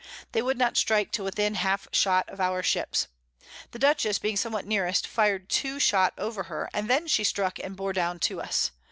They would not strike till within half shot of our Ships: The Dutchess being somewhat nearest, fir'd two Shot over her, and then she struck, and bore down to us.